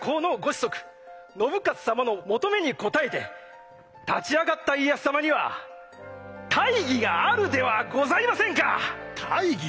子息信雄様の求めに応えて立ち上がった家康様には大義があるではございませんか！